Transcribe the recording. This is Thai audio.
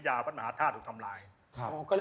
อ๋ออยู่วัดมหาธาตุก่อน